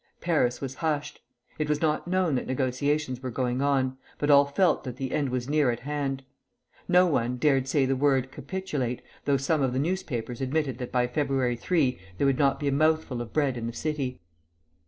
Paris was hushed. It was not known that negotiations were going on, but all felt that the end was near at hand. No one, dared to say the word "capitulate," though some of the papers admitted that by February 3 there would not be a mouthful of bread in the city.